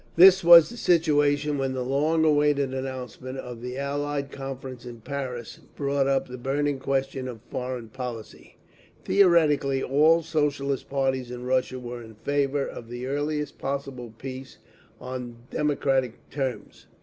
This was the situation when the long awaited announcement of the Allied Conference in Paris brought up the burning question of foreign policy…. Theoretically all Socialist parties in Russia were in favour of the earliest possible peace on democratic terms.